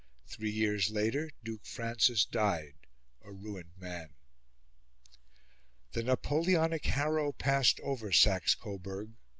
Three years later Duke Francis died a ruined man. The Napoleonic harrow passed over Saxe Coburg.